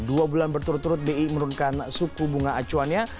dua bulan berturut turut bi menurunkan suku bunga acuannya